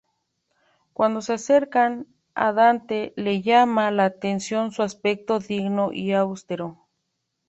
Cuando se acercan, a Dante le llama la atención su aspecto digno y austero.